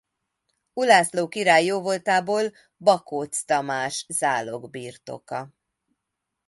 Ulászló király jóvoltából Bakócz Tamás zálogbirtoka.